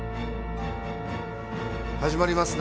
始まりますな。